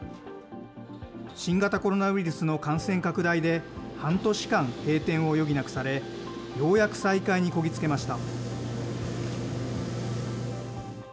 新型コロナウイルスの感染拡大で、半年間、閉店を余儀なくされ、ようやく再開にこぎ着けました。